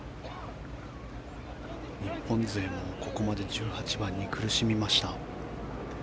日本勢もここまで１８番に苦しみました。